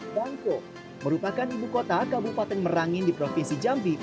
bangko merupakan ibu kota kabupaten merangin di provinsi jambi